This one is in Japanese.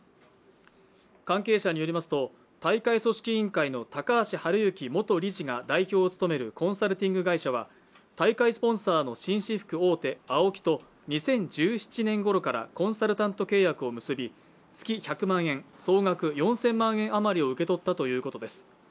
関係者によりますと大会組織委員会の高橋治之元理事が代表を務めるコンサルティング会社は、大会スポンサーの紳士服大手ＡＯＫＩと２０１７年ごろからコンサルタント契約を結び月１００万円、総額４０００万円あまりを受け取ったということです。